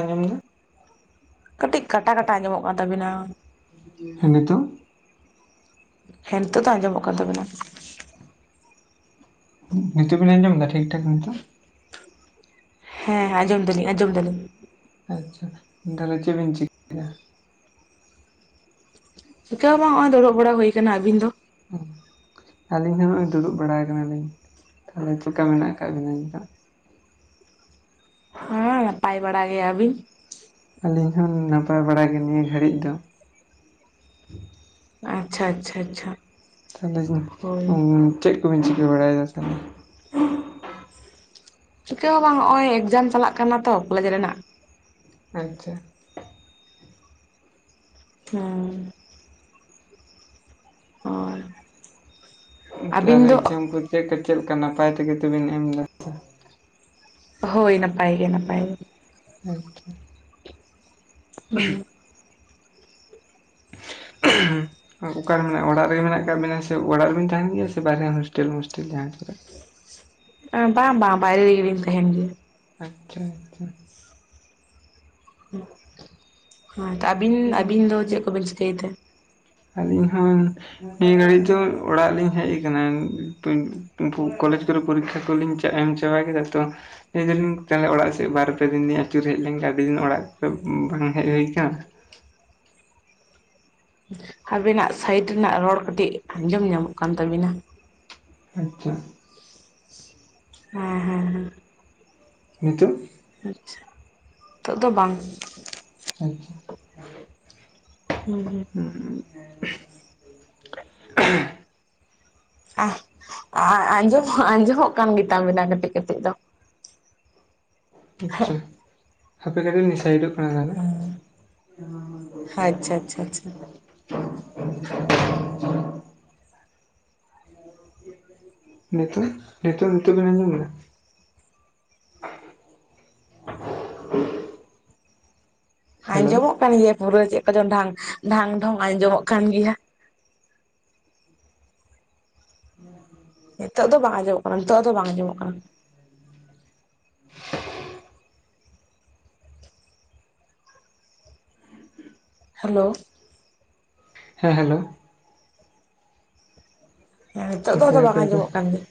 ᱟᱸᱡᱚᱢ ᱫᱟ ᱠᱟᱹᱴᱤᱡ ᱠᱟᱴᱟ ᱠᱟᱴᱟ ᱟᱸᱡᱚᱢᱚᱜ ᱠᱟᱱ ᱛᱟᱵᱤᱱᱟ᱾ ᱦᱮᱸ ᱱᱤᱛᱚᱜ? ᱦᱮᱸ ᱱᱤᱛᱩᱜᱹ ᱫᱚ ᱟᱸᱡᱚᱢᱚᱜ ᱠᱟᱱ ᱛᱟᱵᱤᱱᱟ ᱱᱤᱛᱚᱜ ᱵᱤᱱ ᱟᱸᱡᱚᱢ ᱫᱟ ᱴᱷᱤᱠ ᱴᱷᱟᱠ ᱱᱤᱛᱚᱜ ᱦᱮᱸ ᱟᱸᱡᱚᱢ ᱫᱟᱞᱤᱧ ᱟᱸᱡᱚᱢ ᱫᱟᱞᱤᱧ ᱟᱪᱪᱷᱟ ᱛᱟᱦᱚᱞᱮ ᱪᱮᱫᱵᱤᱱ ᱪᱤ ᱪᱮᱠᱟᱹ ᱦᱚ ᱵᱟᱝ ᱱᱚᱜ-ᱚᱭ ᱫᱩᱲᱩᱵ ᱵᱟᱲᱟ ᱦᱩᱭ ᱠᱟᱱᱟ ᱟᱹᱵᱤᱱ ᱫᱚ ᱟᱹᱞᱤᱧ ᱦᱚᱸ ᱱᱚᱜ-ᱚᱭ ᱫᱩᱲᱩᱵ ᱵᱟᱲᱟ ᱠᱟᱱᱟᱞᱤᱧ ᱛᱟᱦᱚᱞᱮ ᱪᱮᱫᱞᱮᱠᱟ ᱢᱮᱱᱟᱜ ᱠᱟᱜ ᱵᱤᱱᱟᱹ ᱱᱤᱛᱚᱜ? ᱦᱮᱸ ᱱᱟᱯᱟᱭ ᱵᱟᱲᱟ ᱜᱮ, ᱟᱹᱵᱤᱱ? ᱟᱹᱞᱤᱧ ᱦᱚᱸ ᱱᱟᱯᱟᱭ ᱵᱟᱲᱟ ᱜᱮ ᱱᱤᱭᱟᱹ ᱜᱷᱟᱹᱲᱤᱡ ᱫᱚ᱾ ᱟᱪᱪᱷᱟ ᱟᱪᱪᱷᱟ ᱟᱪᱪᱷᱟ ᱛᱟᱦᱚᱞᱮ ᱦᱳᱭ ᱪᱮᱫ ᱠᱚᱵᱮᱱ ᱪᱤᱠᱟᱹ ᱵᱟᱲᱟᱭᱮᱫᱟ ᱛᱟᱦᱚᱞᱮ ᱪᱤᱠᱟᱹ ᱦᱚᱸ ᱵᱟᱝ ᱱᱚᱜ-ᱚᱭ ᱮᱠᱡᱟᱢ ᱪᱟᱞᱟᱜ ᱠᱟᱱᱟ ᱛᱚ ᱠᱚᱞᱮᱡᱽ ᱨᱮᱱᱟᱜ ᱟᱪᱪᱷᱟ ᱦᱮᱸ ᱦᱳᱭ ᱟᱹᱵᱤᱱ ᱛᱟᱦᱚᱞᱮ ᱫᱚ ᱮᱠᱡᱟᱢ ᱠᱚ ᱪᱮᱜᱠᱟ ᱪᱮᱜᱠᱟ ᱞᱮᱠᱟ ᱱᱟᱯᱟᱭ ᱛᱮᱜᱮ ᱛᱮᱵᱮᱱ ᱮᱢᱫᱟ ᱦᱳᱭ ᱱᱟᱯᱟᱭ ᱜᱮ ᱱᱟᱯᱟᱭ ᱜᱮ ᱟᱪᱪᱷᱟ ᱦᱩᱸ [unintelligible] ᱚᱠᱟᱨᱮ ᱢᱮᱱᱟᱜ ᱚᱲᱟᱜ ᱨᱮᱜᱮ ᱢᱮᱱᱟᱜ ᱟᱠᱟᱜ ᱵᱤᱱᱟ ᱥᱮ ᱚᱲᱟᱜ ᱨᱮᱵᱤᱱ ᱛᱟᱦᱮᱱ ᱜᱮᱭᱟ ᱥᱮ ᱵᱟᱨᱦᱮ ᱦᱳᱥᱴᱮᱞ ᱢᱚᱥᱴᱮᱞ ᱡᱟᱦᱟᱸ ᱠᱚᱨᱮ ᱵᱟᱝ ᱵᱟᱝ ᱵᱟᱭᱨᱮ ᱨᱮᱜᱮᱞᱤᱧ ᱛᱟᱦᱮᱱ ᱜᱮᱭᱟ᱾ ᱟᱪᱪᱷᱟ ᱟᱪᱪᱷᱟ ᱦᱚᱸ ᱛᱚ ᱟᱹᱵᱤᱱ ᱟᱹᱵᱤᱱ ᱫᱚ ᱪᱮᱜ ᱠᱚᱵᱤᱱ ᱪᱤᱠᱟᱹᱭ ᱛᱮ ᱟᱹᱞᱤᱧ ᱦᱚᱸ ᱱᱤᱭᱟᱹ ᱜᱷᱟᱹᱲᱤᱡ ᱫᱚ ᱚᱲᱟᱜ ᱞᱤᱧ ᱦᱮᱡ ᱠᱟᱱᱟ ᱯᱩ ᱠᱚᱞᱮᱡᱽ ᱠᱚᱨᱮ ᱯᱚᱨᱤᱠᱠᱷᱟ ᱠᱚᱞᱤᱧ ᱪᱟᱜ ᱮᱢ ᱪᱟᱵᱟ ᱠᱮᱫᱟ ᱛᱚ ᱞᱮᱭ ᱫᱟᱞᱤᱧ ᱛᱟᱦᱚᱞᱮ ᱚᱲᱟᱜ ᱥᱮᱜ ᱵᱟᱨᱯᱮ ᱫᱤᱱ ᱞᱤᱧ ᱟᱹᱪᱩᱨ ᱦᱮᱡ ᱞᱮᱝᱜᱮ ᱟᱹᱰᱤ ᱫᱤᱱ ᱚᱲᱟᱜ ᱠᱚ ᱵᱟᱝ ᱦᱮᱡ ᱦᱩᱭ ᱠᱟᱱ ᱟᱵᱤᱱᱟᱜ ᱥᱟᱭᱤᱰ ᱨᱮᱱᱟᱜ ᱨᱚᱲ ᱠᱟᱹᱴᱤᱡ ᱟᱸᱡᱚᱢ ᱧᱟᱢᱚᱜ ᱠᱟᱱ ᱛᱟᱵᱤᱱᱟ ᱟᱪᱪᱷᱟ ᱦᱮᱸ ᱦᱮᱸ ᱦᱮᱸ ᱱᱤᱛᱳᱜ ᱟᱪᱪᱷᱟ ᱱᱤᱛᱚᱜ ᱫᱚ ᱵᱟᱝ ᱟᱪᱪᱷᱟ ᱦᱩᱸ ᱦᱩᱸ ᱟᱜ ᱟᱻ ᱟᱸᱡᱚᱢ ᱫᱚ ᱟᱸᱡᱚᱢᱚᱜ ᱠᱟᱱ ᱜᱮᱛᱟ ᱵᱮᱱᱟ ᱠᱟᱹᱴᱤᱡ ᱠᱟᱹᱴᱤᱡ ᱫᱚ ᱴᱷᱤᱠ ᱜᱮᱭᱟ ᱦᱟᱯᱮ ᱠᱟᱹᱴᱤᱡ ᱞᱤᱧ ᱥᱟᱭᱤᱰᱚᱜ ᱠᱟᱱᱟ ᱛᱟᱦᱚᱞᱮ ᱦᱟᱪᱪᱷᱟ ᱪᱷᱟ ᱪᱷᱟ ᱱᱤᱛᱚᱜ ᱱᱤᱛᱚᱜ ᱱᱤᱛᱚᱜ ᱵᱮᱱ ᱟᱸᱡᱚᱢᱮᱫᱟ? [inaudible] [inaudible] ᱦᱮᱞᱳ ᱟᱸᱡᱚᱢᱚᱜ ᱠᱟᱱ ᱜᱮᱭᱟ ᱯᱩᱨᱟᱹ ᱪᱮᱜ ᱠᱚᱪᱚᱝ ᱰᱷᱟᱝ ᱰᱷᱚᱝ ᱰᱷᱳᱝ ᱟᱸᱡᱚᱢᱚᱜ ᱠᱟᱱ ᱜᱮᱭᱟ [inaudible] ᱱᱤᱛᱚᱜ ᱫᱚ ᱵᱟᱝ ᱟᱸᱡᱚᱢᱚᱜ ᱠᱟᱱᱟ ᱱᱤᱛᱚᱜ ᱫᱚ ᱵᱟᱝ ᱟᱸᱡᱚᱢᱚᱜ ᱠᱟᱱᱟ ᱦᱮᱞᱳ ᱦᱮᱸ ᱦᱮᱞᱳ ᱱᱤᱛᱚᱜ ᱫᱚ ᱦᱟᱯᱮ ᱟᱫᱚ ᱵᱟᱝ ᱦᱟᱯᱮ ᱦᱟᱯᱮ ᱟᱸᱡᱚᱢᱚᱜ ᱠᱟᱱ ᱜᱮᱭᱟ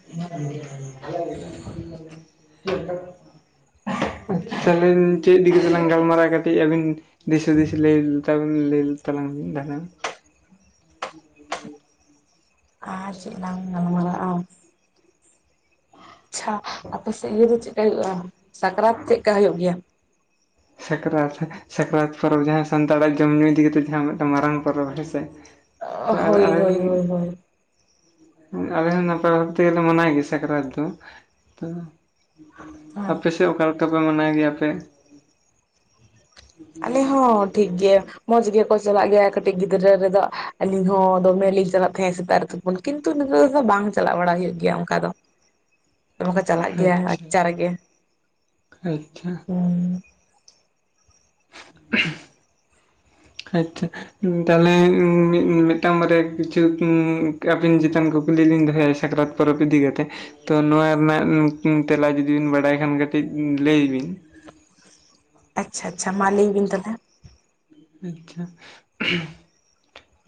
[inaudible] ᱛᱟᱦᱚᱞᱤᱧ ᱪᱮᱫ ᱤᱫᱤ ᱠᱟᱛᱮᱞᱟᱝ ᱜᱟᱞᱢᱟᱨᱟᱭᱟ ᱠᱟᱹᱴᱤᱡ ᱟᱹᱵᱤᱱ ᱫᱤᱥ ᱦᱩᱫᱤᱥ ᱞᱟᱹᱭ ᱛᱟᱵᱮᱱ ᱞᱟᱹᱭ ᱛᱟᱞᱟᱝ ᱡᱟᱦᱟᱱᱟᱜ ᱟᱨ ᱪᱮᱜ ᱞᱟᱝ ᱜᱟᱞᱢᱟᱨᱟᱜᱼᱟ ᱟᱪᱪᱷᱟ ᱟᱯᱮ ᱥᱮᱜ ᱤᱭᱟᱹ ᱫᱚ ᱪᱮᱜᱠᱟ ᱦᱩᱭᱩᱜᱼᱟ ᱥᱟᱠᱨᱟᱛ ᱪᱮᱜᱠᱟ ᱦᱩᱭᱩᱜ ᱜᱮᱭᱟ? ᱥᱟᱠᱨᱟᱛ ᱥᱟᱠᱨᱟᱛ ᱯᱚᱨᱚᱵᱽ ᱡᱟᱦᱟᱸ ᱥᱟᱱᱛᱟᱲᱟᱜ ᱡᱚᱢ ᱧᱩ ᱤᱫᱤ ᱠᱟᱛᱮᱫ ᱡᱟᱦᱟᱸ ᱢᱤᱫᱴᱟᱝ ᱢᱟᱨᱟᱝ ᱯᱚᱨᱚᱵᱽ ᱦᱮᱸᱥᱮ ᱛᱟ ᱟᱞᱮ ᱦᱳᱭ ᱟᱞᱮ ᱦᱳᱭ ᱨᱤᱱ ᱦᱳᱭ ᱦᱳᱭ ᱟᱞᱮ ᱦᱚᱸ ᱱᱟᱯᱟᱭ ᱵᱷᱟᱵᱽ ᱛᱮᱜᱮ ᱞᱮ ᱢᱟᱱᱟᱭ ᱜᱮᱭᱟ ᱥᱟᱠᱨᱟᱛ ᱫᱚ ᱛᱚ ᱦᱮᱸ ᱟᱯᱮ ᱥᱮᱜ ᱚᱠᱟᱞᱮᱠᱟᱯᱮ ᱢᱟᱱᱟᱣ ᱜᱮᱭᱟ ᱯᱮ? ᱟᱞᱮ ᱦᱚᱸ ᱴᱷᱤᱠ ᱜᱮ ᱢᱚᱸᱡᱽ ᱜᱮᱠᱚ ᱪᱟᱞᱟᱜ ᱜᱮᱭᱟ ᱠᱟᱹᱴᱤᱡ ᱜᱤᱫᱽᱨᱟᱹ ᱨᱮᱫᱚ ᱟᱹᱞᱤᱧ ᱦᱚᱸ ᱫᱚᱢᱮᱞᱤᱧ ᱪᱟᱞᱟᱜ ᱛᱟᱦᱮᱸᱜ ᱥᱮᱛᱟᱜ ᱨᱮ ᱛᱩᱯ ᱯᱩᱱ ᱠᱤᱱᱛᱩ ᱱᱤᱛᱚᱜ ᱟᱫᱚ ᱵᱟᱝ ᱪᱟᱞᱟᱜ ᱵᱟᱲᱟ ᱦᱩᱭᱩᱜ ᱜᱮᱭᱟ ᱚᱝᱠᱟ ᱫᱚ ᱫᱚᱢᱮ ᱠᱚ ᱪᱟᱞᱟᱜ ᱜᱮᱭᱟ ᱟᱪᱪᱷᱟ ᱟᱪᱪᱟ ᱨᱮᱜᱮ ᱟᱪᱪᱷᱟ ᱦᱩᱸ [inaudible] ᱠᱟᱪᱷᱟ ᱛᱟᱦᱚᱞᱮ ᱢᱤᱫᱴᱟᱝ ᱵᱟᱨᱭᱟ ᱠᱤᱪᱷᱩ ᱟᱹᱵᱤᱱ ᱪᱮᱛᱟᱱ ᱠᱩᱠᱞᱤ ᱞᱤᱧ ᱫᱚᱦᱚᱭᱟ ᱥᱟᱠᱨᱟᱛ ᱯᱚᱨᱚᱵᱽ ᱤᱫᱤ ᱠᱟᱛᱮ ᱛᱚ ᱱᱚᱣᱟ ᱨᱮᱱᱟᱜ ᱛᱮᱞᱟ ᱡᱩᱫᱤ ᱵᱤᱱ ᱵᱟᱲᱟᱭ ᱠᱷᱟᱱ ᱠᱟᱹᱴᱤᱡ ᱞᱟᱹᱭ ᱵᱤᱱ ᱟᱪᱪᱷᱟ ᱟᱪᱪᱷᱟ ᱢᱟ ᱞᱟᱹᱭ ᱵᱤᱱ ᱛᱟᱦᱚᱞᱮ ᱟᱪᱷᱟ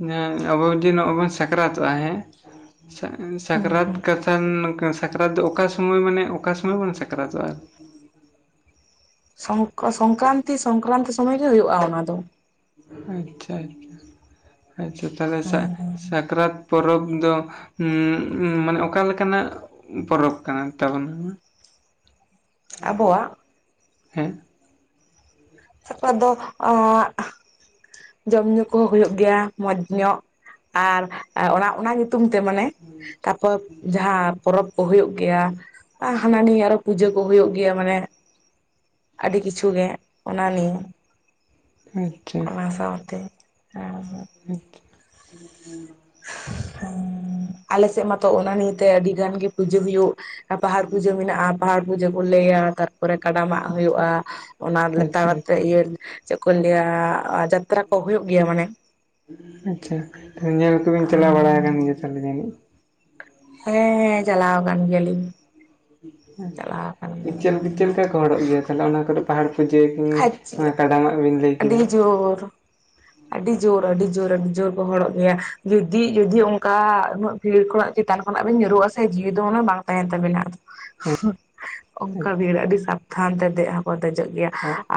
ᱡᱟᱦᱟ ᱟᱵᱚ ᱡᱮ ᱱᱚᱜᱼᱚᱭ ᱵᱚᱱ ᱥᱟᱠᱨᱟᱛᱚᱜᱼᱟ ᱦᱮᱸ ᱪᱷᱟ ᱦᱩᱸ ᱥᱟᱠᱨᱟᱛ ᱦᱩᱸ ᱠᱟᱛ ᱛᱟᱱ ᱥᱟᱠᱨᱟᱛ ᱫᱚ ᱚᱠᱟ ᱥᱚᱢᱚᱭ ᱢᱟᱱᱮ ᱚᱠᱟ ᱥᱚᱢᱚᱭ ᱵᱚᱱ ᱥᱟᱠᱨᱟᱛᱚᱜᱼᱟ? ᱟᱨ ᱥᱚᱝ ᱥᱚᱝᱠᱨᱟᱱᱛᱤ ᱥᱚᱝᱠᱨᱟᱱᱛᱤ ᱥᱚᱢᱚᱭ ᱜᱮ ᱦᱩᱭᱩᱜᱼᱟ ᱚᱱᱟ ᱫᱚ ᱟᱪᱪᱷᱟ ᱟᱪ ᱟᱪᱷᱟ ᱛᱟᱦᱚᱞᱮ ᱥᱟᱠᱨᱟᱛ ᱯᱚᱨᱚᱵᱽ ᱫᱚ ᱩᱸ ᱩᱸ ᱢᱟᱱᱮ ᱚᱠᱟ ᱞᱮᱠᱟᱱᱟᱜ ᱯᱚᱨᱚᱵᱽ ᱠᱟᱱᱟ ᱛᱟᱵᱚᱱ ᱟᱵᱚᱣᱟᱜ ᱦᱮᱸ ᱥᱟᱠᱨᱟᱛ ᱫᱚ ᱮᱜ ᱡᱚᱢ ᱧᱩ ᱠᱚ ᱦᱳᱭᱳᱜ ᱜᱮᱭᱟ ᱢᱚᱸᱡᱽ ᱧᱚᱜ ᱟᱨ ᱚᱲᱟᱜ ᱚᱱᱟ ᱛᱩᱝ ᱛᱮ ᱢᱟᱱᱮ ᱛᱟᱯᱚᱨ ᱡᱟᱦᱟᱸᱟᱸ ᱯᱚᱨᱚᱵᱽ ᱠᱚ ᱦᱩᱭᱩᱜ ᱜᱮᱭᱟ ᱚᱱᱚᱱᱟ ᱱᱤᱭᱟᱹ ᱟᱨᱚ ᱯᱩᱡᱟᱹ ᱠᱚ ᱦᱩᱭᱩᱜ ᱜᱮᱭᱟ ᱢᱟᱱᱮ ᱟᱹᱰᱤ ᱠᱤᱪᱷᱩ ᱜᱮ ᱚᱱᱟ ᱱᱤᱭᱮ ᱟᱪᱪᱷᱟ ᱚᱱᱟ ᱥᱟᱶᱛᱮᱼᱼ ᱟᱨᱚ [unintelligible] [unintelligible] ᱦᱮᱸ [unintelligible] ᱟᱞᱮᱥᱮᱫ ᱢᱟᱛᱚ ᱚᱱᱟ ᱱᱤᱭᱮᱛᱮ ᱟᱹᱰᱤ ᱜᱟᱱ ᱜᱮ ᱯᱩᱡᱟᱹ ᱦᱩᱭᱩᱜ ᱯᱟᱦᱟᱲ ᱯᱩᱡᱟᱹ ᱢᱮᱱᱟᱜᱼᱟ ᱯᱟᱦᱟᱲ ᱯᱩᱡᱟᱹ ᱠᱩᱞᱟᱹᱭᱟ ᱛᱟᱨᱯᱚᱨᱮ ᱠᱟᱰᱟᱢᱟᱜ ᱟᱪᱪᱷᱟ ᱦᱩᱭᱩᱜᱼᱟ ᱚᱱᱟ ᱞᱮᱛᱟᱲ ᱟᱪᱪᱷᱟ ᱟᱛᱮᱜ ᱟᱪᱪᱷᱟ ᱤᱭᱟᱹᱼᱼ ᱪᱮᱫ ᱠᱚ ᱞᱟᱹᱭᱟ ᱡᱟᱛᱨᱟ ᱠᱚ ᱦᱩᱭᱩᱜ ᱜᱮᱭᱟ ᱢᱟᱱᱮᱼᱼ ᱟᱪᱪᱷᱟ ᱛᱚ ᱧᱮᱞ ᱠᱚᱵᱤᱱ ᱪᱟᱞᱟᱣ ᱵᱟᱲᱟ ᱟᱠᱟᱱ ᱜᱮ ᱛᱟᱦᱚᱞᱮ ᱡᱟᱹᱱᱤᱡᱼᱼ ᱦᱮᱸᱦᱮᱸ ᱪᱟᱞᱟᱣ ᱟᱠᱟᱱ ᱜᱮᱭᱟᱞᱤᱧ᱾ ᱪᱟᱞᱟᱣ ᱟᱠᱟᱱ ᱪᱮ ᱪᱮᱫ ᱜᱮᱭᱟᱞᱤᱧ ᱞᱮᱠᱟ ᱠᱚ ᱦᱚᱲᱚᱜ ᱜᱮᱭᱟ ᱛᱟᱦᱞᱮ ᱚᱱᱟ ᱠᱚᱨᱮ? ᱯᱟᱦᱟᱲ ᱯᱩᱡᱟᱹ ᱠᱚ ᱠᱟᱰᱟᱢᱟᱜ ᱵᱤᱱ ᱞᱟᱹᱭ ᱠᱮᱫᱟ᱾ ᱦᱨ [unintelligible] ᱟᱹᱰᱤ ᱡᱳᱨ ᱟᱹᱰᱤ ᱡᱳᱨ ᱟᱹᱰᱤ ᱡᱳᱨ ᱠᱚ ᱦᱚᱲᱚᱜ ᱜᱮᱭᱟ ᱡᱩᱫᱤ ᱡᱩᱫᱤ ᱚᱱᱠᱟ ᱩᱱᱟᱼᱼ ᱵᱷᱤᱲ ᱠᱷᱚᱱᱟᱜ ᱪᱮᱛᱟᱱ ᱠᱷᱚᱱᱟᱜ ᱵᱤᱱ ᱧᱩᱨᱩᱜᱼᱟ ᱥᱮ ᱡᱤᱣᱤ ᱫᱚ ᱚᱱᱟ ᱵᱟᱝ ᱛᱟᱦᱮᱱ ᱛᱟᱵᱤᱱᱟ ᱟᱫᱚᱼᱼ ᱚᱱᱠᱟ ᱵᱷᱤᱲ ᱟᱹᱰᱤ ᱥᱟᱵᱫᱷᱟᱱ ᱛᱮ ᱫᱮᱡ ᱦᱚᱸᱠᱚ ᱫᱮᱡᱚᱜ ᱜᱮᱭᱟ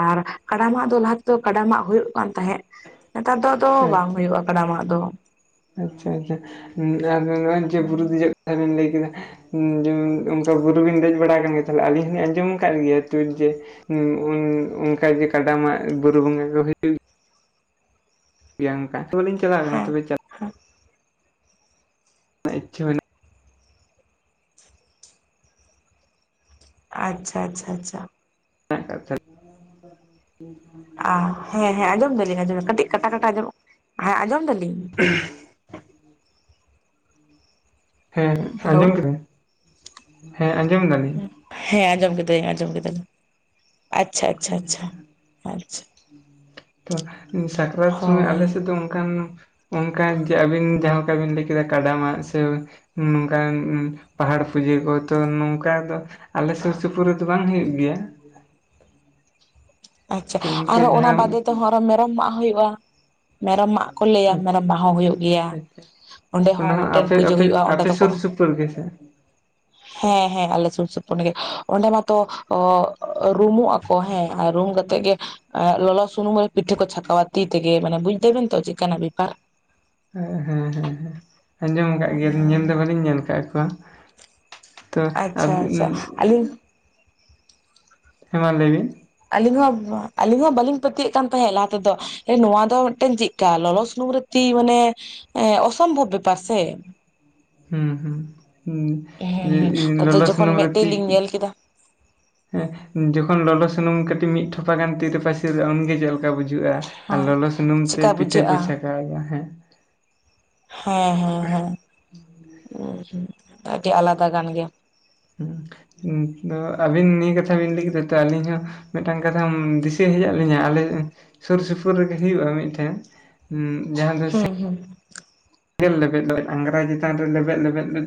ᱟᱨ ᱠᱟᱰᱟᱢᱟᱜ ᱫᱚ ᱞᱟᱦᱟᱼᱼ ᱫᱚ ᱠᱟᱰᱟᱢᱟᱜ ᱦᱩᱭᱩᱜ ᱠᱟᱱ ᱛᱟᱦᱮᱸᱫ ᱱᱮᱛᱟᱨ ᱫᱚ ᱟᱫᱚ ᱵᱟᱝ ᱟᱪᱪᱷᱟ ᱦᱩᱭᱩᱜᱼᱟ ᱠᱟᱰᱟᱢᱟᱜ ᱫᱚ᱾ ᱟᱪᱪᱷᱟ ᱪᱷᱟ ᱟᱨ ᱱᱚᱜᱼᱚᱭ ᱡᱮ ᱵᱩᱨᱩ ᱫᱮᱡᱚᱜ ᱠᱟᱛᱷᱟ ᱵᱮᱱ ᱞᱟᱹᱭ ᱠᱮᱫᱟ᱾ ᱦᱸ ᱚᱱᱠᱟ ᱵᱩᱨᱩᱵᱤᱱ ᱫᱮᱡ ᱵᱟᱲᱟ ᱟᱠᱟᱱ ᱜᱮᱭᱟ ᱛᱟᱦᱚᱞᱮ ᱟᱹᱞᱤᱧ ᱦᱚᱞᱤᱧ ᱟᱸᱡᱚᱢ ᱟᱠᱟᱫ ᱜᱮᱭᱟ ᱛᱚ ᱡᱮᱼᱼ ᱚᱱᱠᱟᱜᱮ ᱠᱟᱰᱟ ᱢᱟᱜ ᱵᱩᱨᱩ ᱵᱚᱸᱜᱟ ᱠᱚ ᱦᱩᱭᱩᱜᱼᱼ ᱜᱮᱭᱟ ᱚᱸᱠᱟ ᱛᱚᱵᱮᱧ ᱪᱟᱞᱟᱜ ᱠᱟᱱᱟ ᱦᱮᱸ ᱛᱚᱵᱮᱼᱼ ᱦᱮᱸ [unintelligible] ᱤᱪᱷᱟᱹ ᱵᱟᱱᱼᱼ ᱟᱪᱷᱟ ᱟᱪᱷᱟ ᱪᱷᱟ ᱪᱷᱟ ᱟᱪᱷᱟ [inaudible] ᱦᱮᱸ ᱦᱮᱸ ᱟᱸᱡᱚᱢ ᱫᱟᱞᱤᱧ ᱟᱸᱡᱚᱢᱫᱟ ᱠᱟᱹᱴᱤᱡ ᱠᱟᱴᱟ ᱠᱟᱴᱟ ᱟᱸᱡᱚᱢ ᱦᱮᱸ ᱟᱸᱡᱚᱢ ᱫᱟᱞᱤᱧᱼᱼ ᱦ [unintelligible] ᱦᱮᱸ ᱦᱮᱞᱳ ᱟᱸᱡᱚᱢ ᱠᱮᱫᱟᱹᱧ ᱦᱮᱸ ᱟᱸᱡᱚᱢ ᱫᱟᱞᱤᱧ? ᱦᱮᱸ ᱟᱸᱡᱚᱢ ᱠᱮᱫᱟᱹᱧ ᱟᱸᱡᱚᱢ ᱠᱮᱫᱟᱹᱞᱤᱧ ᱟᱪᱪᱷᱟ ᱟᱪᱷᱟ ᱪᱷᱟ ᱪᱷᱟ ᱛᱚ ᱥᱟᱠᱨᱟᱛ ᱥᱚᱢᱚᱭ ᱦᱳᱭ ᱟᱞᱮ ᱥᱮᱫ ᱫᱚ ᱚᱱᱠᱟᱱ ᱚᱱᱠᱟ ᱡᱮ ᱟᱹᱵᱤᱱ ᱡᱟᱦᱟᱸ ᱠᱟ ᱵᱤᱱ ᱞᱟᱹᱭ ᱠᱮᱫᱟ ᱠᱟᱰᱟᱢᱟᱜ ᱥᱮᱼᱼ ᱱᱚᱝᱠᱟ ᱯᱟᱦᱟᱲ ᱯᱩᱡᱟᱹ ᱠᱚᱛᱚ ᱱᱚᱝᱠᱟ ᱫᱚᱼᱼ ᱟᱞᱮ ᱥᱩᱨ ᱥᱩᱯᱩᱨ ᱨᱮᱫᱚ ᱵᱟᱝ ᱦᱩᱭᱩᱜ ᱜᱮᱭᱟ᱾ ᱟᱪᱪᱷᱟ ᱛᱚ ᱤᱱᱠᱟᱹ ᱟᱨᱚᱸ ᱚᱱᱟ ᱡᱟᱦᱟᱸ ᱵᱟᱫᱮ ᱛᱮᱦᱚᱸ ᱟᱨᱚ ᱢᱮᱨᱚᱢ ᱢᱟᱜ ᱦᱩᱭᱩᱜᱼᱟ᱾ ᱢᱮᱨᱚᱢ ᱢᱟᱜ ᱠᱚ ᱞᱟᱹᱭᱟ ᱟᱪᱪᱷᱟ ᱢᱮᱨᱚᱢ ᱢᱟᱜ ᱦᱚᱸ ᱦᱩᱭᱩᱜ ᱜᱮᱭᱟ᱾ ᱟᱪᱪᱷᱟ ᱚᱸᱰᱮ ᱚᱱᱟ ᱦᱚᱸ ᱢᱤᱫᱴᱮᱱ ᱟᱯᱮ ᱯᱩᱡᱟᱹ ᱟᱯᱮ ᱦᱩᱭᱩᱜᱼᱟ ᱚᱸᱰᱮ ᱟᱯᱮ ᱫᱚᱠᱚᱼᱼ ᱥᱩᱨ ᱥᱩᱯᱩᱨ ᱜᱮᱥᱮ ᱦᱮᱸ ᱦᱮᱸ ᱟᱞᱮ ᱥᱩᱨ ᱥᱩᱯᱩᱨ ᱜᱮ ᱚᱸᱰᱮ ᱢᱟᱛᱚ ᱚ ᱨᱩᱢᱩᱜ ᱟᱠᱚ ᱦᱮᱸ ᱟᱨ ᱨᱩᱢ ᱠᱟᱛᱮᱜ ᱜᱮᱼᱼ ᱟᱨ ᱞᱚᱞᱚ ᱥᱩᱱᱩᱢ ᱦᱚᱭ ᱯᱤᱴᱷᱟᱹ ᱠᱚ ᱪᱷᱟᱠᱟᱣᱟ ᱛᱤ ᱛᱮᱜᱮ ᱢᱟᱱᱮ ᱵᱩᱡᱽ ᱫᱟᱵᱮᱱ ᱛᱚ ᱪᱮᱫ ᱠᱟᱱᱟ ᱵᱮᱯᱟᱨ ᱦᱮᱸ ᱦᱮᱸ ᱦᱮᱸ ᱟᱸᱡᱚᱢ ᱟᱠᱟᱫ ᱜᱮᱭᱟᱞᱤᱧ ᱧᱮᱞ ᱫᱚ ᱵᱟᱹᱞᱤᱧ ᱧᱮᱞ ᱟᱠᱟᱫ ᱠᱚᱣᱟ᱾ ᱛᱚ ᱟᱪᱪᱷᱟ ᱟᱪᱪᱷᱟ ᱟᱹᱞᱤᱧ ᱦᱮᱸ ᱢᱟ ᱞᱟᱹᱭ ᱵᱤᱱ? ᱟᱞᱤᱧ ᱦᱚᱸ ᱟᱹᱞᱤᱧ ᱦᱚᱸ ᱵᱟᱹᱞᱤᱧ ᱯᱟᱹᱛᱭᱟᱹᱜ ᱠᱟᱱ ᱛᱟᱦᱮᱸᱫ ᱞᱟᱦᱟ ᱛᱮᱫᱚᱼᱼ ᱱᱚᱣᱟ ᱫᱚ ᱢᱤᱫᱴᱮᱱ ᱪᱮᱫᱠᱟ ᱞᱚᱞᱚ ᱥᱩᱱᱩᱢ ᱨᱮ ᱛᱤ ᱢᱟᱱᱮ ᱚᱥᱚᱢᱵᱷᱚᱵᱽ ᱵᱮᱯᱟᱨ ᱥᱮ ᱦᱩᱸ ᱦᱩᱸ ᱡᱮ ᱦᱮᱸ ᱤ ᱟᱫᱚ ᱞᱚᱞᱚ ᱡᱚᱠᱷᱚᱱ ᱥᱩᱱᱩᱢ ᱢᱮᱫ ᱨᱮ ᱛᱤ ᱛᱮᱞᱤᱧ ᱧᱮᱞ ᱠᱮᱫᱟ ᱦᱮᱸ ᱡᱚᱠᱷᱚᱱ ᱞᱚᱞᱚ ᱥᱩᱱᱩᱢ ᱠᱟᱹᱴᱤᱡ ᱢᱤᱫ ᱴᱷᱚᱯᱷᱟ ᱜᱟᱱ ᱛᱤ ᱨᱮ ᱯᱟᱹᱨᱤᱨᱚᱜᱼᱟ ᱩᱱᱜᱮ ᱪᱮᱫ ᱞᱮᱠᱟ ᱵᱩᱡᱷᱟᱹᱜᱼᱟ᱾ ᱟᱨ ᱦᱮᱸ ᱞᱚᱞᱚ ᱥᱩᱱᱩᱢ ᱪᱮᱠᱟ ᱛᱮ ᱯᱤᱴᱷᱟᱹ ᱵᱩᱡᱷᱟᱹᱜᱼᱟ ᱠᱚ ᱪᱷᱟᱸᱠᱟᱣᱮᱫᱟ, ᱦᱮᱸ ᱦᱮᱸ ᱦᱮᱸ ᱦᱮᱸ ᱩᱸ ᱟᱹᱰᱤ ᱟᱞᱟᱫᱟ ᱜᱟᱱ ᱜᱮᱭᱟ᱾ ᱟᱹᱵᱤᱱ ᱱᱤᱭᱟᱹ ᱠᱟᱛᱷᱟ ᱵᱤᱱ ᱞᱟᱹᱭ ᱠᱮᱫᱟ ᱛᱚ ᱟᱹᱞᱤᱧ ᱦᱚᱸ ᱢᱤᱫᱴᱟᱝ ᱠᱟᱛᱷᱟᱢ ᱫᱤᱥᱟᱹ ᱦᱮᱡ ᱟᱜ ᱞᱤᱧᱟᱹ ᱟᱞᱮ ᱥᱩᱨ ᱥᱩᱯᱩᱨ ᱨᱮᱜᱮ ᱦᱩᱭᱩᱜᱼᱟ ᱢᱤᱫᱴᱮᱱ᱾ ᱦᱩᱸ ᱡᱟᱦᱟᱸ ᱫᱚ ᱦᱩᱸ ᱦᱩᱸ ᱮᱸᱜᱮᱞ ᱞᱮᱵᱮᱫ ᱫᱚ ᱟᱝᱨᱟ ᱪᱮᱛᱟᱱ ᱨᱮ ᱞᱮᱵᱮᱫ ᱞᱮᱵᱮᱫ ᱞᱮ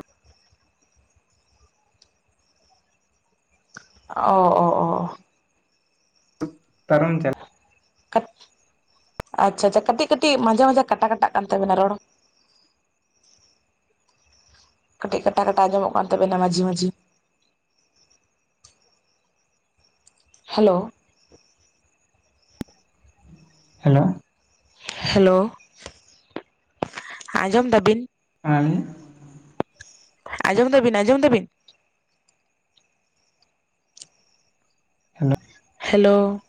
ᱚ ᱚ ᱚ ᱛᱟᱹ ᱛᱟᱨᱚᱢ ᱪᱟᱞ ᱟᱪᱪᱷᱟ ᱟᱪᱪᱷᱟ ᱠᱟᱹᱴᱤᱡ ᱠᱟᱹᱴᱤᱡ ᱢᱟᱡᱷᱟ ᱢᱟᱡᱷᱟ ᱠᱟᱴᱟ ᱠᱟᱴᱟᱜ ᱠᱟᱱ ᱛᱟᱵᱮᱱᱟ ᱨᱚᱲ᱾ ᱠᱟᱹᱴᱤᱡ ᱠᱟᱴᱟ ᱠᱟᱴᱟ ᱟᱸᱚᱢᱚᱜ ᱠᱟᱱ ᱛᱟᱵᱮᱱᱟ ᱢᱟᱹᱡᱷᱤ ᱢᱟᱹᱡᱷᱤ ᱦᱮᱞᱳ ᱦᱮᱞᱳ ᱦᱮᱞᱳ ᱟᱸᱡᱚᱢ ᱫᱟᱵᱤᱱ [unintelligible] ᱟᱸᱡᱚᱢ ᱫᱟᱵᱤᱱ ᱟᱸᱡᱚᱢ ᱫᱟᱵᱤᱱ? ᱦᱮᱞᱳ ᱦᱮᱞᱳ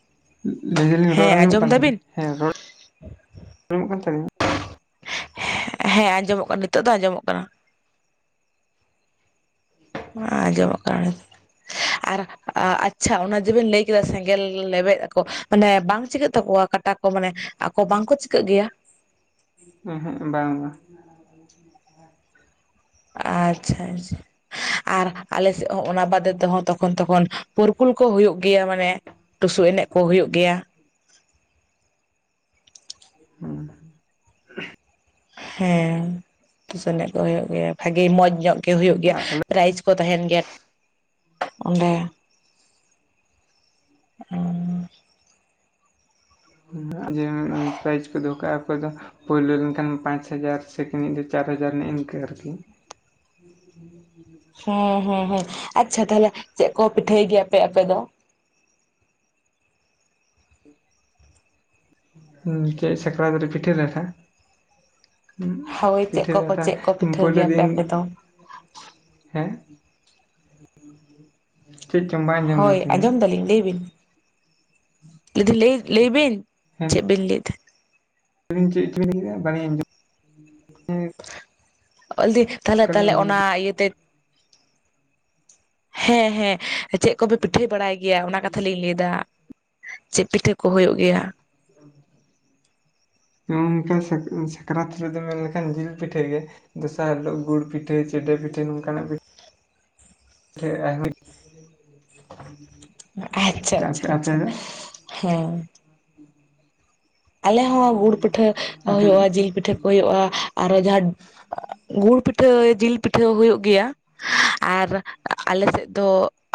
ᱞᱟᱹᱭ ᱮᱫᱟᱞᱤᱧ ᱨᱚᱲ ᱦᱮᱸ ᱟᱸᱡᱚᱢᱚᱜ ᱟᱸᱡᱚᱢ ᱠᱟᱱ ᱛᱟᱦᱮᱱᱟᱧ ᱫᱟᱵᱤᱱ ᱦᱮᱸ ᱨᱚᱲ ᱟᱸᱡᱚᱜ ᱠᱟᱱ ᱛᱟᱞᱤᱧᱟ ᱦᱮᱸ ᱟᱸᱡᱚᱢᱚᱜ ᱠᱟᱱᱟ ᱱᱤᱛᱚᱜ ᱫᱚ ᱟᱸᱡᱚᱢᱚᱜ ᱠᱟᱱᱟ᱾ ᱟᱸᱡᱚᱢᱚᱜ ᱠᱟᱱᱟ ᱟᱨ ᱟᱪᱪᱷᱟ ᱚᱱᱟ ᱡᱮᱵᱮᱱ ᱞᱟᱹᱭ ᱠᱮᱫᱟ ᱥᱮᱸᱜᱮᱞ ᱞᱮᱵᱮᱫᱟᱠᱚ, ᱢᱟᱱᱮ ᱵᱟᱝ ᱪᱤᱠᱟᱹᱜ ᱛᱟᱠᱚᱣᱟ ᱠᱟᱴᱟ ᱠᱚ ᱢᱟᱱᱮ ᱟᱠᱚ ᱵᱟᱝᱠᱚ ᱪᱤᱠᱟᱹᱜ ᱜᱮᱭᱟ ᱮᱦᱮᱸᱜ ᱵᱟᱝ ᱵᱟᱝ ᱟᱪᱪᱷᱟ ᱟᱪᱷᱟ᱾ ᱟᱨ ᱟᱞᱮ ᱥᱮᱫ ᱦᱚᱸ ᱚᱱᱟ ᱵᱟᱫᱮ ᱛᱮᱦᱚᱸ ᱛᱚᱠᱷᱚᱱ ᱛᱚᱠᱷᱚᱱ ᱯᱚᱨᱠᱩᱞ ᱠᱚ ᱦᱩᱭᱩᱜ ᱜᱮᱭᱟ ᱢᱟᱱᱮ ᱴᱩᱥᱩ ᱮᱱᱮᱡ ᱠᱚ ᱦᱩᱭᱩᱜ ᱜᱮᱭᱟ᱾ ᱦᱩᱸ ᱦᱮᱸ ᱛᱩᱥᱩ ᱮᱱᱮᱡ ᱠᱚ ᱦᱩᱭᱩᱜ ᱜᱮᱭᱟ ᱵᱷᱟᱜᱤ ᱢᱚᱡᱽ ᱧᱚᱜ ᱜᱮ ᱦᱩᱭᱩᱜ ᱜᱮᱭᱟ᱾ ᱟᱞᱮ ᱯᱨᱟᱭᱤᱡᱽ ᱠᱚ ᱛᱟᱦᱮᱱ ᱜᱮᱭᱟ, ᱚᱸᱰᱮ ᱩᱸ ᱡᱮ ᱯᱨᱟᱭᱤᱡ ᱠᱚ ᱫᱚᱦᱚ ᱠᱟᱜᱼᱟ ᱚᱠᱚᱭ ᱫᱚ ᱯᱳᱭᱞᱳ ᱞᱮᱱᱠᱷᱟᱱ ᱯᱟᱸᱪ ᱦᱟᱡᱟᱨ, ᱥᱮᱠᱮᱱᱤᱡ ᱫᱚ ᱪᱟᱨ ᱦᱟᱡᱟᱨ, ᱱᱮᱜ-ᱮ ᱱᱤᱝᱠᱟᱹ ᱟᱨ ᱠᱤ ᱦᱮᱸ ᱦᱮᱸ ᱦᱮᱸ ᱟᱪᱪᱷᱟ ᱛᱟᱦᱞᱮ ᱪᱮᱫ ᱠᱚ ᱯᱤᱴᱷᱟᱹᱭ ᱜᱮᱭᱟᱯᱮ ᱟᱯᱮ ᱫᱚ? ᱦᱩᱸ ᱪᱮᱜ ᱥᱟᱠᱨᱟᱛ ᱨᱮ ᱯᱤᱴᱟᱹ ᱞᱮᱴᱟ ᱦᱩᱸ ᱦᱳᱭ ᱪᱮᱫ ᱯᱤᱴᱷᱟᱹ ᱠᱚᱠᱚ ᱞᱟᱴᱷᱟ ᱪᱮᱫ ᱠᱚ ᱯᱤᱴᱷᱟᱹ ᱯᱳᱭᱞᱳ ᱜᱮᱭᱟᱯᱮ ᱫᱤᱱ ᱟᱯᱮ ᱫᱚ ᱦᱮᱸ ᱪᱮᱫ ᱪᱚᱝ ᱵᱟᱝ ᱟᱸᱡᱚᱢ ᱞᱮᱱ ᱦᱳᱭ ᱛᱟᱵᱤᱱᱟ ᱟᱸᱡᱚᱢ ᱫᱟᱞᱤᱧ ᱞᱟᱹᱭ ᱵᱤᱱ ᱞᱮ ᱫᱤᱧ ᱞᱟᱹᱭ ᱞᱟᱹᱭᱵᱤᱱ ᱦᱮᱸ ᱪᱮᱫᱵᱤᱱ ᱞᱟᱹᱭ ᱛᱟᱦᱮᱸᱜ ᱞᱟᱹᱭ ᱫᱤᱱ ᱪᱮᱫ ᱪᱚ ᱵᱤᱱ ᱞᱟᱹᱭ ᱠᱮᱫᱟᱵᱟᱹᱞᱤᱧ ᱟᱸᱡᱚᱢ ᱚᱞᱫᱤ ᱛᱟᱦᱞᱮ ᱚᱱᱠᱟᱞᱤᱧ ᱛᱟᱦᱞᱮ ᱟᱸᱡᱚᱢ ᱚᱱᱟ ᱠᱮᱫᱟ ᱤᱭᱟᱹᱛᱮ ᱦᱮᱸ ᱦᱮᱸ ᱪᱮᱫ ᱠᱚᱯᱮ ᱯᱤᱴᱷᱟᱹᱭ ᱵᱟᱲᱟᱭ ᱜᱮᱭᱟ ᱚᱱᱟ ᱠᱟᱛᱷᱟᱞᱤᱧ ᱞᱟᱹᱭ ᱫᱟ, ᱪᱮᱫ ᱯᱤᱴᱷᱟᱹ ᱠᱚ ᱦᱩᱭᱩᱜ ᱜᱮᱭᱟ? [unintelligible] ᱱᱚᱝᱠᱟ ᱥᱟᱠᱨᱟᱛ ᱨᱮᱫᱚ ᱢᱮᱱ ᱞᱮᱠᱷᱟᱱ ᱡᱤᱞ ᱯᱤᱴᱷᱟᱹ ᱜᱮ᱾ ᱫᱚᱥᱟᱨ ᱦᱤᱞᱳᱜ ᱜᱩᱲ ᱯᱤᱴᱷᱟᱹ, ᱪᱮᱰᱮ ᱯᱤᱴᱷᱟᱹ, ᱱᱚᱝᱠᱟᱱᱟᱜ ᱜᱮ [unintelligible] ᱟᱪᱪᱷᱟ ᱟᱪᱪᱷᱟ ᱟᱯᱮ ᱟᱪᱪᱷᱟ ᱫᱚ ᱦᱮᱸ ᱟᱞᱮ ᱦᱚᱸ ᱜᱩᱲ ᱯᱤᱴᱷᱟᱹ ᱟᱯᱮ ᱫᱚ ᱦᱩᱭᱩᱜ-ᱟ ᱡᱤᱞ ᱯᱤᱴᱷᱟᱹ ᱠᱚ ᱦᱩᱭᱩᱜ-ᱟ ᱟᱨᱚ ᱡᱟᱦᱟᱸ ᱜᱩᱲ ᱯᱤᱴᱷᱟᱹ, ᱡᱤᱞ ᱯᱤᱴᱷᱟᱹ, ᱦᱩᱭᱩᱜ ᱜᱮᱭᱟ᱾ ᱟᱨ ᱟᱞᱮ ᱥᱮᱫ ᱫᱚ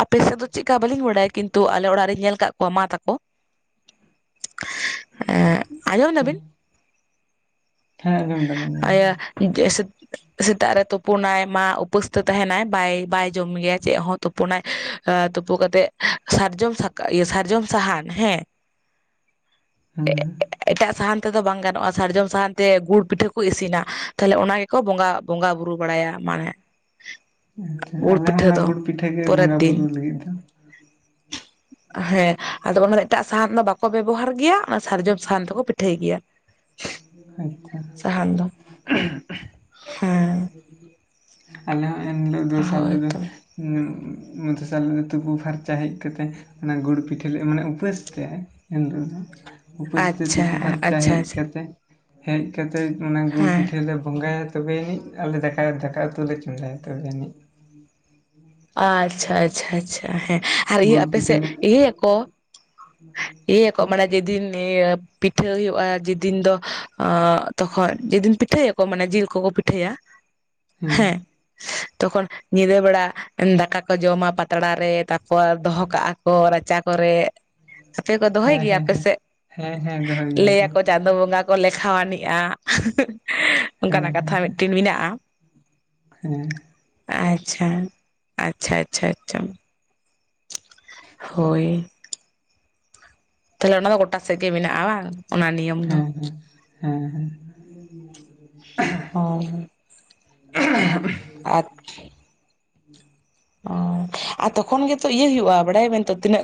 ᱟᱯᱮ ᱥᱮᱫ ᱫᱚ ᱪᱮᱫᱞᱮᱠᱟ ᱵᱟᱟᱹᱞᱤᱧ ᱵᱟᱲᱟᱭᱟ ᱠᱤᱱᱛᱩ ᱟᱞᱮ ᱚᱲᱟᱜ ᱨᱤᱧ ᱧᱮᱞ ᱠᱟᱜ ᱠᱚᱢᱟ ᱛᱟᱠᱚ ᱮ ᱟᱸᱡᱚᱢ ᱫᱟᱵᱤᱱ? ᱦᱮᱸ ᱟᱸᱡᱚᱢ ᱫᱟᱞᱤᱧ ᱫᱟᱞᱤᱧ ᱡᱮ ᱥᱮᱛᱟᱜ ᱨᱮ ᱛᱩᱯᱩᱱᱟᱭ ᱢᱟ ᱩᱯᱟᱹᱥ ᱛᱮ ᱛᱟᱦᱮᱱᱟᱭ ᱵᱟᱭ ᱵᱟᱭ ᱡᱚᱢ ᱜᱮᱭᱟ᱾ ᱪᱮᱫ ᱦᱚᱸ ᱛᱩᱯᱩᱱᱟᱭ ᱛᱩᱯᱩ ᱠᱟᱛᱮᱜ ᱥᱟᱨᱡᱚᱢ ᱥᱟᱠᱟ ᱥᱟᱨᱡᱚᱢ ᱥᱟᱦᱟᱱ ᱦᱮᱸ ᱦᱮᱸ ᱮᱴᱟᱜ ᱥᱟᱦᱟᱱ ᱛᱮᱫᱚ ᱵᱟᱝ ᱜᱟᱱᱚᱜ-ᱟ ᱥᱟᱨᱡᱚᱢ ᱥᱟᱦᱟᱱ ᱛᱮ ᱜᱩᱲ ᱯᱤᱴᱷᱟᱹ ᱠᱚ ᱤᱥᱤᱱᱟ ᱛᱟᱦᱚᱞᱮ ᱚᱱᱟ ᱠᱚᱸ ᱵᱚᱸᱜᱟ ᱵᱩᱨᱩ ᱵᱟᱲᱟᱭᱟ ᱢᱟᱱᱮ ᱟᱪᱪᱷᱟ ᱜᱩᱲ ᱟᱞᱮ ᱦᱚᱸ ᱯᱤᱴᱷᱟᱹ ᱚᱱᱟ ᱫᱚ ᱜᱩᱲ ᱯᱤᱴᱷᱟᱹ ᱯᱚᱨᱮᱨ ᱵᱚᱸᱜᱟ ᱵᱩᱨᱩ ᱫᱤᱱ ᱞᱟᱹᱜᱤᱫ ᱫᱚ ᱦᱮᱸ ᱟᱫᱚ ᱚᱱᱟ ᱫᱚ ᱮᱴᱟᱜ ᱥᱟᱦᱟᱱ ᱫᱚ ᱵᱟᱠᱚ ᱵᱮᱵᱚᱦᱟᱨ ᱜᱮᱭᱟ᱾ ᱚᱱᱟ ᱥᱟᱨᱡᱚᱢ ᱥᱟᱦᱟᱱ ᱛᱮᱠᱚ ᱯᱤᱴᱷᱟᱹᱭ ᱜᱮᱭᱟ᱾ ᱟᱪᱪᱷᱟ ᱥᱟᱦᱟᱱ ᱫᱚ ᱦᱮᱸ ᱟᱞᱮ ᱦᱚᱸ ᱮᱱᱦᱤᱞᱚᱜ ᱫᱚᱥᱟᱨ ᱦᱳᱭᱛᱚ ᱫᱚᱥᱟᱨ ᱦᱤᱞᱚᱜ ᱫᱚ ᱛᱩᱯᱩ ᱯᱷᱟᱨᱪᱟ ᱦᱮᱡ ᱠᱟᱛᱮᱜ ᱚᱱᱟ ᱜᱩᱲ ᱯᱤᱴᱷᱟᱹ ᱢᱟᱱᱮ ᱩᱯᱟᱹᱥ ᱛᱮ ᱮᱱᱦᱤᱞᱳᱜ ᱫᱚ ᱩᱯᱟᱹᱥ ᱛᱮ ᱟᱪᱪᱷᱟ ᱛᱩᱯᱩ ᱯᱷᱟᱨᱪᱟ ᱟᱪᱪᱷᱟ ᱦᱮᱡ ᱟᱪᱪᱷᱟ ᱠᱟᱛᱮ ᱦᱮᱡ ᱠᱟᱛᱮᱫ ᱚᱱᱟ ᱜᱩᱲ ᱦᱮᱸ ᱯᱤᱴᱷᱟᱹᱮ ᱵᱚᱸᱜᱟᱭᱟ ᱛᱚᱵᱮ ᱟᱹᱱᱤᱡ ᱟᱞᱮ ᱫᱟᱠᱟᱭ ᱫᱟᱠᱟ ᱩᱛᱩ ᱞᱮ ᱪᱚᱸᱫᱟᱭᱟ ᱛᱚᱵᱮ ᱟᱱᱤᱡ ᱟᱪᱪᱷᱟ ᱟᱪᱪᱷᱟ ᱟᱪᱪᱷᱟ ᱦᱮᱸ ᱟᱨ ᱤᱭᱟᱹ ᱟᱯᱮᱥᱮᱫ ᱤᱭᱟᱹᱭᱟᱠᱚ ᱦᱩᱸ [unintelligible] ᱤᱭᱟᱹᱭᱟ ᱠᱚ ᱢᱟᱱᱮ ᱡᱮᱫᱤᱱ ᱯᱤᱴᱷᱟᱹᱭ ᱦᱩᱭᱩᱜ-ᱟ ᱡᱮᱫᱤᱱ ᱫᱚ ᱛᱚᱠᱷᱚᱱ ᱡᱮᱫᱤᱱ ᱯᱤᱴᱷᱟᱹᱭᱟᱠᱚ ᱢᱟᱱᱮ ᱡᱤᱞ ᱠᱚᱠᱚ ᱯᱤᱴᱷᱟᱹᱭᱟ ᱦᱮᱸ ᱛᱚᱠᱷᱚᱱ ᱧᱤᱫᱟᱹ ᱵᱮᱲᱟ ᱫᱟᱠᱟ ᱠᱚ ᱡᱚᱢᱟ ᱯᱟᱛᱲᱟᱟᱨ ᱨᱮ ᱛᱟᱨᱯᱚᱨ ᱫᱚᱦᱚ ᱠᱟᱜ-ᱟ ᱠᱚ ᱨᱟᱪᱟ ᱠᱚᱨᱮ ᱟᱯᱮ ᱠᱚ ᱫᱚᱦᱚᱭ ᱦᱮᱸ ᱜᱮᱭᱟ ᱦᱮᱸ ᱟᱯᱮ ᱦᱮᱸ ᱥᱮᱫ ᱦᱮᱸ ᱦᱮᱸ ᱫᱚᱦᱚᱭ ᱜᱮᱭᱟ ᱠᱚ ᱞᱟᱹᱭᱟᱠᱚ ᱪᱟᱸᱫᱚ ᱵᱚᱸᱜᱟ ᱠᱚ ᱠᱚ ᱞᱮᱠᱷᱟ ᱟᱱᱤᱡ-ᱟ ᱦᱮᱸ ᱚᱱᱠᱟᱱᱟᱜ ᱦᱮᱸ ᱠᱟᱛᱷᱟ ᱢᱤᱫᱴᱮᱱ ᱢᱮᱱᱟᱜ-ᱟ ᱦᱮᱸ ᱟᱪᱪᱷᱟ ᱟᱪᱪᱷᱟ ᱟᱪᱪᱷᱟ ᱟᱪᱪᱷᱟ ᱦᱳᱭ ᱛᱟᱦᱚᱞᱮ ᱚᱱᱟ ᱫᱚ ᱜᱚᱴᱟ ᱥᱮᱫ ᱜᱮ ᱢᱮᱱᱟᱜ-ᱟ ᱵᱟᱝ? ᱚᱱᱟ ᱱᱤᱭᱚᱢ ᱫᱚ? ᱦᱮᱸ ᱦᱮᱸ ᱦᱮᱸ ᱚ ᱟᱨ ᱚ ᱟᱨ ᱛᱚᱠᱷᱚᱱ ᱜᱮᱛᱚ ᱤᱭᱟᱹ ᱦᱩᱭᱩᱜ-ᱟ ᱵᱟᱲᱟᱭ ᱵᱮᱱ ᱛᱚ ᱛᱤᱱᱟᱹᱜ